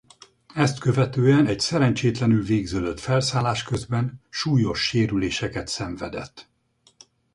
Ezt követően egy szerencsétlenül végződött felszállás közben súlyos sérüléseket szenvedett.